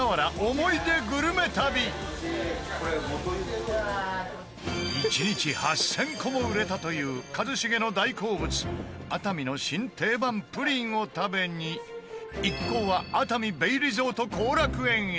思い出グルメ旅１日８０００個も売れたという一茂の大好物熱海の新定番プリンを食べに一行は熱海ベイリゾート後楽園へ